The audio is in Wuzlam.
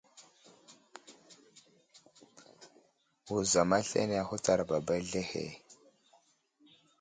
Wuzam aslane ahutsar baba azlehe.